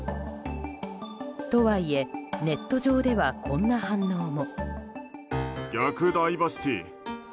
とはいえネット上ではこんな反応も。